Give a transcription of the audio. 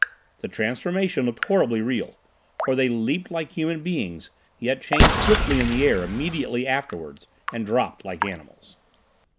The transformation looked horribly real, for they leaped like human beings, yet changed swiftly in the air immediately afterwards, and dropped like animals.